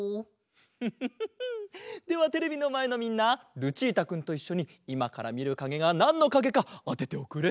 フフフフではテレビのまえのみんなルチータくんといっしょにいまからみるかげがなんのかげかあてておくれ。